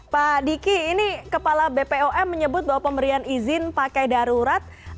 pak diki ini kepala bpom menyebut bahwa pemberian izin pakai darurat